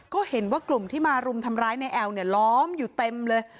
ก็เห็นว่ากลุ่มที่มารุมทำร้ายในแอลเนี่ยล้อมอยู่เต็มเลย